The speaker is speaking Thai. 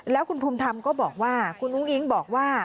แล้วคุณภูมิธรรมก็บอกว่าคุณอุ้งอิ๊งบอกว่า